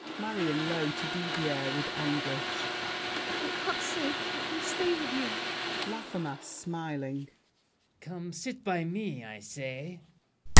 MARION (low to Didier, with anguish). For God's sake, let me stay with you! LAFFEMAS (smiling). Come sit by me, I say!